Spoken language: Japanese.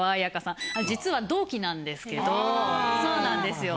実は同期なんですけどそうなんですよ。